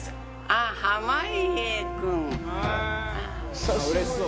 ああうれしそう。